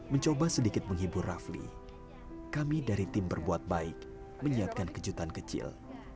mencoba sedikit menghibur rafli kami dari tim berbuat baik menyiapkan kejutan kecil